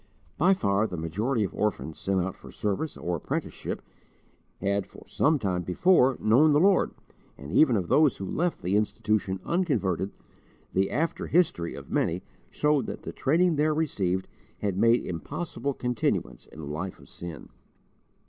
By far the majority of orphans sent out for service or apprenticeship, had for some time before known the Lord; and even of those who left the Institution unconverted, the after history of many showed that the training there received had made impossible continuance in a life of sin.